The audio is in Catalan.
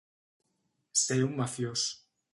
Ser un mafiós.